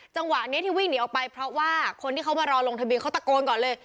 จังหวะนี้ที่วิ่งหนีออกไปเพราะว่าคนที่เขามารอลงทะเบียนเขาตะโกนก่อนเลย